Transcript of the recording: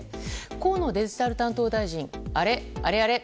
河野デジタル担当大臣あれっ、あれあれっ。